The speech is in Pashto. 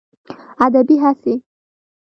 ادبي هڅې